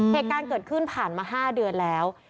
เหตุการณ์เกิดขึ้นผ่านมา๕เดือนแล้ว